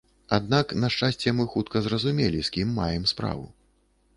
Аднак, на шчасце, мы хутка зразумелі, з кім маем справу.